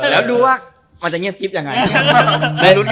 แล้วดูว่ามันจะเงียบกิ๊บยังไง